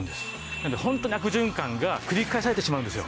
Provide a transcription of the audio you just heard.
なので本当に悪循環が繰り返されてしまうんですよ。